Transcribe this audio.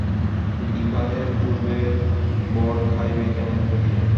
বিবাহের পূর্বে বর খাইবে কেমন করিয়া।